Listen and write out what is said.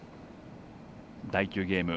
第９ゲーム。